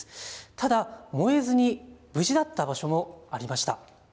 ただ燃えずに無事だった場所もありました。